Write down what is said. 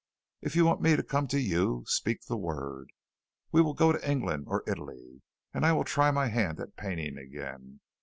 If you want me to come to you, speak the word. We will go to England or Italy, and I will try my hand at painting again.